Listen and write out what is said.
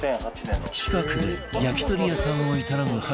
近くで焼き鳥屋さんを営む八野さん